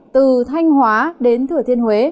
từ thanh hóa đến thừa thiên huế